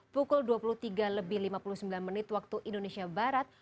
pukul dua puluh tiga lebih lima puluh sembilan menit waktu indonesia barat